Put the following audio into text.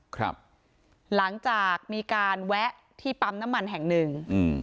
ครับหลังจากมีการแวะที่ปั๊มน้ำมันแห่งหนึ่งอืม